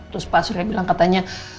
terus pak surya bilang katanya